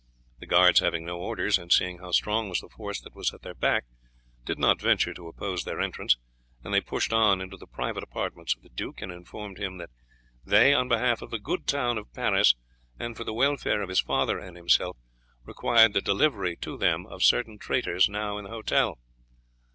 The guards having no orders, and seeing how strong was the force that was at their back, did not venture to oppose their entrance, and they pushed on into the private apartments of the duke and informed him that they, on behalf of the good town of Paris and for the welfare of his father and himself, required the delivery to them of certain traitors now in the hotel.